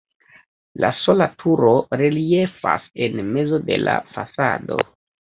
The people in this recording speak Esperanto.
La sola turo reliefas en mezo de la fasado.